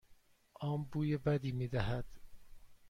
آن بوی بدی میدهد.